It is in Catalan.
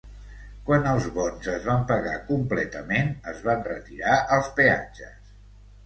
Quan els bons es van pagar completament, es van retirar els peatges.